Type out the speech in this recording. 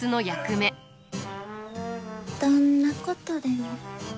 どんなことでも。